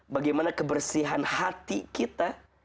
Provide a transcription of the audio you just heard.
bagaimana kebersihan hati kita